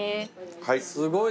はい。